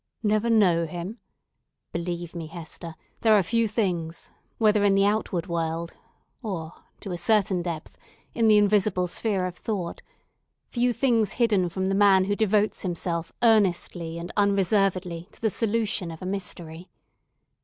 "Never know him! Believe me, Hester, there are few things whether in the outward world, or, to a certain depth, in the invisible sphere of thought—few things hidden from the man who devotes himself earnestly and unreservedly to the solution of a mystery.